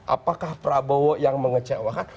apakah prabowo yang mengecewakan